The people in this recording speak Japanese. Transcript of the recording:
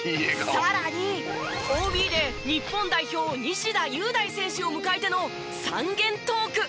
さらにＯＢで日本代表西田優大選手を迎えての三元トーク。